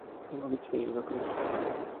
山口県岩国市